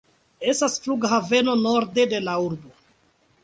Estas flughaveno norde de la urbo.